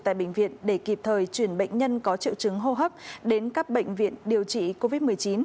tại bệnh viện để kịp thời chuyển bệnh nhân có triệu chứng hô hấp đến các bệnh viện điều trị covid một mươi chín